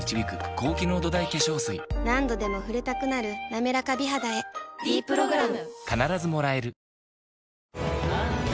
何度でも触れたくなる「なめらか美肌」へ「ｄプログラム」